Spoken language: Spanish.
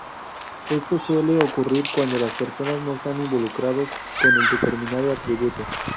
Esto suele ocurrir cuando las personas no están involucrados con el determinado atributo.